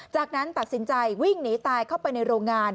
จากนั้นตัดสินใจวิ่งหนีตายเข้าไปในโรงงาน